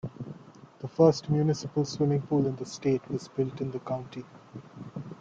The first municipal swimming pool in the state was built in the county.